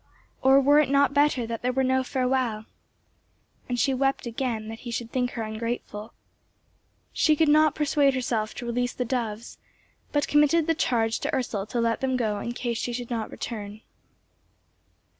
Or were it not better that there were no farewell? And she wept again that he should think her ungrateful. She could not persuade herself to release the doves, but committed the charge to Ursel to let them go in case she should not return.